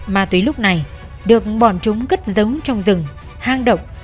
ma túy lúc này được bọn chúng cất giống trong rừng hang động